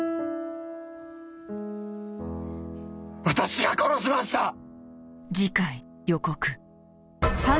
私が殺しました！